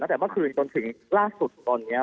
ตั้งแต่เมื่อคืนจนถึงล่าสุดตอนนี้